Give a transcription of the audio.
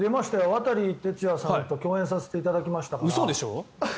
渡哲也さんと共演させてもらいましたから。